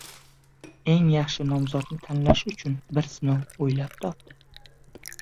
Eng yaxshi nomzodni tanlash uchun bir sinov oʻylab topdi.